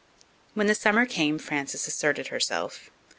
When the summer came Frances asserted herself.